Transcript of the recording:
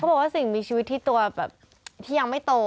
บอกว่าสิ่งมีชีวิตที่ตัวแบบที่ยังไม่โต